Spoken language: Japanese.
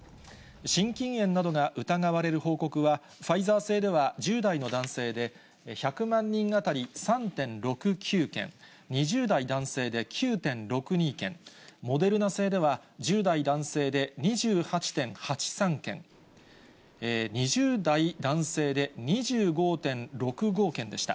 心筋炎などが疑われる報告は、ファイザー製では１０代の男性で１００万人当たり３．６９件、２０代男性で９．６２件、モデルナ製では１０代男性で２８．８３件、２０代男性で２５．６５件でした。